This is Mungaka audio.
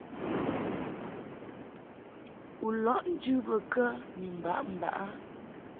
U lɔʼ njɨ bə kə ni mbaʼmbaʼ ?